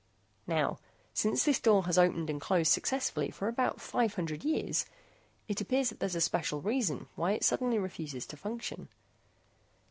Now, since this door has opened and closed successfully for about five hundred years, it appears that there's a special reason why it suddenly refuses to function.